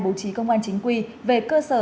bố trí công an chính quy về cơ sở